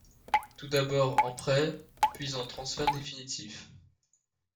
Tout d'abord en prêt, puis en transfert définitif.